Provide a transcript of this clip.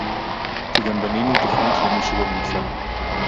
כי גם בנינו תוכנית למי שלא נמצא